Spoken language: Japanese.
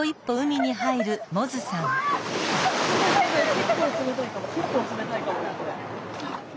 結構冷たいかも結構冷たいかも。